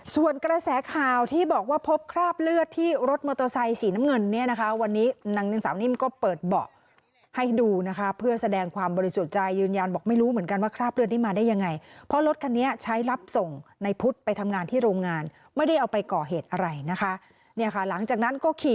ส่วนกระแสข่าวที่บอกว่าพบคราบเลือดที่รถมอเตอร์ไซค์สีน้ำเงินเนี่ยนะคะวันนี้นางสาวนิ่มก็เปิดเบาะให้ดูนะคะเพื่อแสดงความบริสุทธิ์ใจยืนยันบอกไม่รู้เหมือนกันว่าคราบเลือดนี้มาได้ยังไงเพราะรถคันนี้ใช้รับส่งในพุทธไปทำงานที่โรงงานไม่ได้เอาไปก่อเหตุอะไรนะคะเนี่ยค่ะหลังจากนั้นก็ขี่